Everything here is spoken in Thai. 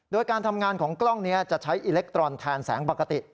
โดยการทำงานของกล้องนี้จะใช้อิเล็กตรอนแทนแสงปกติ